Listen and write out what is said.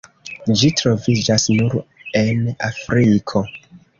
Ĝi troviĝas nur en Afriko.